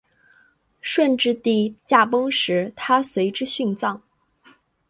顺治帝驾崩时她随之殉葬。